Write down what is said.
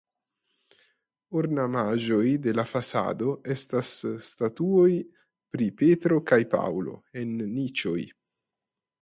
Ornamaĵoj de la fasado estas statuoj pri Petro kaj Paŭlo en niĉoj.